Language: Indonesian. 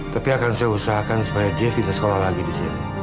tapi akan saya usahakan supaya dia bisa sekolah lagi di sini